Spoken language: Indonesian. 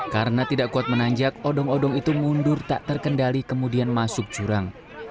karena tidak kuat menanjak odong odong itu mundur tak terkendali kemudian masuk curang